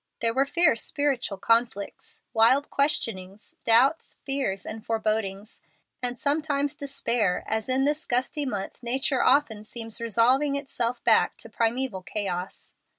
There were fierce spiritual conflicts, wild questionings, doubts, fears, and forebodings, and sometimes despair, as in this gusty month nature often seems resolving itself back to primeval chaos.